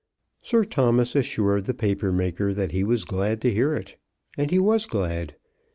Sir Thomas assured the paper maker that he was glad to hear it; and he was glad.